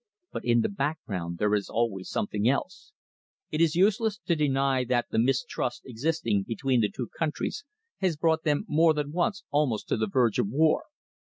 But in the background there is always something else. It is useless to deny that the mistrust existing between the two countries has brought them more than once almost to the verge of war.